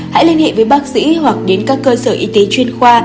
hãy liên hệ với bác sĩ hoặc đến các cơ sở y tế chuyên khoa